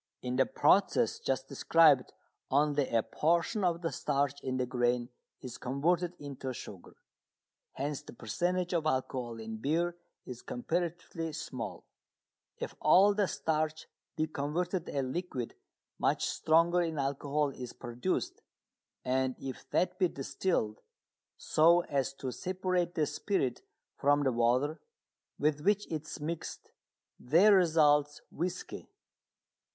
In the process just described only a portion of the starch in the grain is converted into sugar, hence the percentage of alcohol in beer is comparatively small. If all the starch be converted a liquid much stronger in alcohol is produced, and if that be distilled, so as to separate the spirit from the water with which it is mixed, there results whisky.